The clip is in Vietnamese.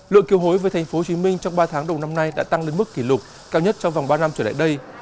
lượng kiều hối về tp hcm trong ba tháng đầu năm nay đã tăng lên mức kỷ lục cao nhất trong vòng ba năm trở lại đây